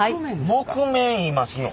木毛いいますの？